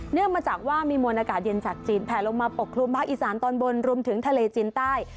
มาจากว่ามีมวลอากาศเย็นจากจีนแผลลงมาปกคลุมภาคอีสานตอนบนรวมถึงทะเลจีนใต้